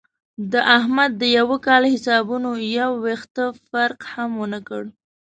د احمد د یوه کال حسابونو یو وېښته فرق هم ونه کړ.